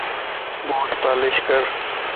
ٻوٽ پالش ڪر